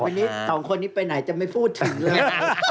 ต่อไปนี้๒คนนี้ไปไหนจะไม่พูดถึงเลย